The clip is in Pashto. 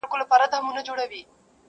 ژونده راسه څو د میني ترانې سه,